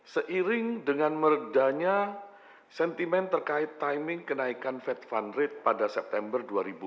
seiring dengan meredanya sentimen terkait timing kenaikan fed fund rate pada september dua ribu dua puluh